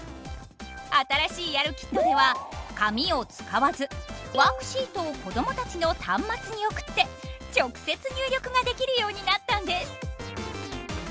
新しいやるキットでは紙を使わずワークシートを子供たちの端末に送って直接入力ができるようになったんです。